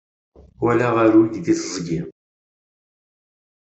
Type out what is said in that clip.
Walaɣ aruy di teẓgi.